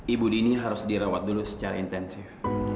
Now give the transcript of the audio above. ibu dini harus dirawat dulu secara intensif